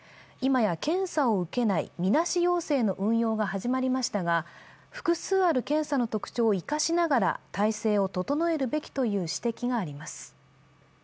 今や検査を受けない、みなし陽性の運用が始まりましたが、複数ある検査の特徴を生かしながら体制を整えるべきという指摘があります。